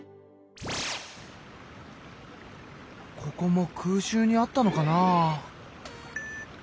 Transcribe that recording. ここも空襲にあったのかなあ。